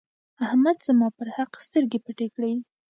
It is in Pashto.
احمد زما پر حق سترګې پټې کړې.